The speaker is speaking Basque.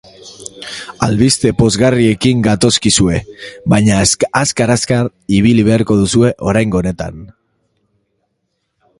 Albiste pozgarriekin gatozkizue, baina azkar-azkar ibili beharko duzue oraingo honetan.